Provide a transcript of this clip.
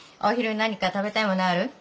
お昼何か食べたいものある？